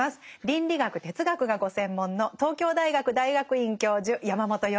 倫理学哲学がご専門の東京大学大学院教授山本芳久さんです。